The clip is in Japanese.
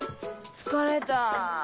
疲れた。